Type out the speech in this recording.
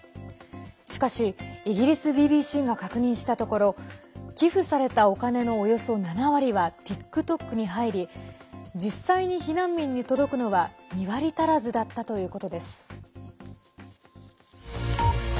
しかし、イギリスＢＢＣが確認したところ寄付されたお金のおよそ７割はＴｉｋＴｏｋに入り実際に避難民に届くのは２割足らずだったということです。